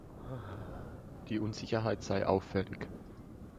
Die Unsicherheit sei auffällig.